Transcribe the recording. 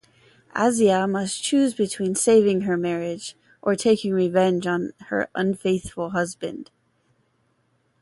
Asya must choose between saving her marriage or taking revenge on her "unfaithful" husband.